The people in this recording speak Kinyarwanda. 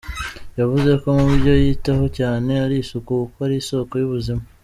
Yavuze ko mu byo yitaho cyane ari isuku kuko ari isoko y’ubuzima.